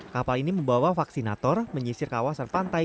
kapal ini membawa vaksinator menyisir kawasan pantai